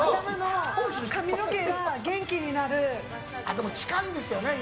でも近いですよね。